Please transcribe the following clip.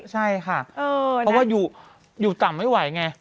ใช่ค่ะเพราะว่าอยู่ต่ำไม่ไหวไง